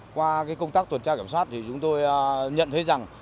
qua công tác tuần tra kiểm soát thì chúng tôi nhận thấy rằng